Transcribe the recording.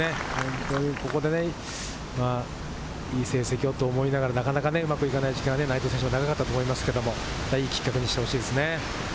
ここでいい成績をと思いながら、なかなかうまくいかない、力が出ない選手もいたと思いますけれど、いいきっかけにしてほしいですね。